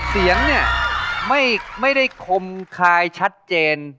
เสียงเนี่ยไม่ได้คมคายชัดเจน